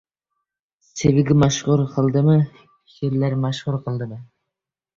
Sevgi mashhur qildimi, she’rlar mashhur qildimi